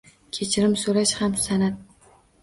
Kechirim so'rash ham san'at.